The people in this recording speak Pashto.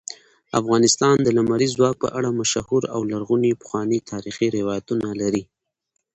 افغانستان د لمریز ځواک په اړه مشهور او لرغوني پخواني تاریخی روایتونه لري.